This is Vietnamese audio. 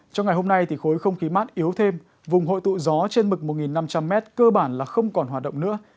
trong ngày hôm nay thì khối không khí mát yếu thêm vùng hội tụ gió trên mực một năm trăm linh m cơ bản là không còn hoạt động nữa